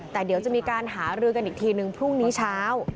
แต่เดี๋ยวจะมีการหารือกันอีกทีนึงพรุ่งนี้เช้า